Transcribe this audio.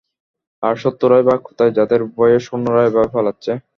আর শত্রুরাই বা কোথায়, যাদের ভয়ে সৈন্যরা এভাবে পালাচ্ছে?